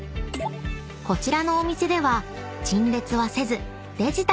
［こちらのお店では陳列はせずデジタルで表示］